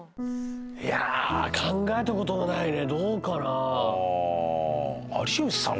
いや考えたこともないねどうかな有吉さん